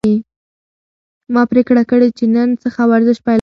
ما پریکړه کړې چې له نن څخه ورزش پیل کړم.